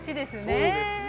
そうですね。